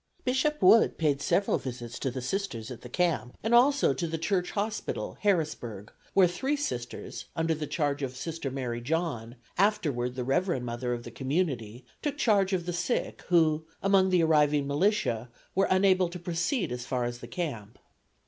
Bishop Wood paid several visits to the Sisters at the camp, and also to the Church Hospital, Harrisburg, where three Sisters, under charge of Sr. Mary John, afterward the Rev. Mother of the Community, took charge of the sick, who, among the arriving militia, were unable to proceed as far as the camp.